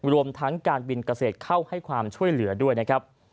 รวมทั้งการบินเกษตรเข้าให้ความช่วยเหลือด้วยนะครับ